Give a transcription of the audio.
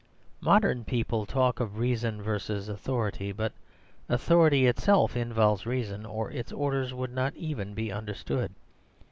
Modern people talk of "Reason versus Authority"; but authority itself involves reason, or its orders would not even be understood.